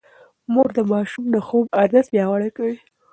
مور د ماشوم د خوب عادت پياوړی کوي.